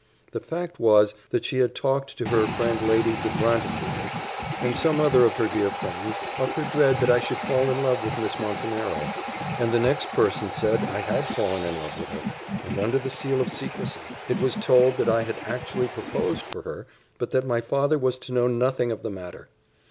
The fact was, that she had talked to her friend Lady de Brantefield, and some other of her dear friends, of her dread that I should fall in love with Miss Montenero; and the next person said I had fallen in love with her; and under the seal of secresy, it was told that I had actually proposed for her, but that my father was to know nothing of the matter.